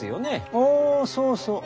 おーっそうそう。